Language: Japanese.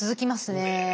ねえ。